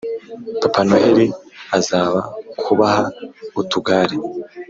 papa noheli aza kubaha utugare